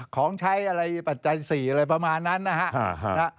ของใช้อะไรปัจจัย๔อะไรประมาณนั้นนะฮะ